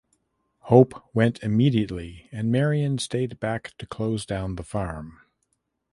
Hope went immediately and Marian stayed back to close down the farm.